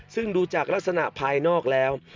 ซึ่งดูจากลักษณะภายนอกแล้ว